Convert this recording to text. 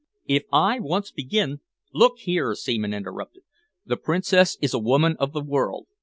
"If I once begin " "Look here," Seaman interrupted, "the Princess is a woman of the world.